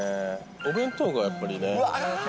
お弁当がやっぱりね。